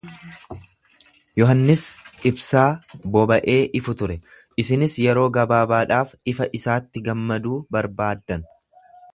Yohannis ibsaa boba’ee ifu ture, isinis yeroo gabaabaadhaaf ifa isaatti gammaduu barbaaddan.